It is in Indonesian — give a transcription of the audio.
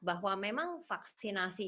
bahwa memang vaksinasi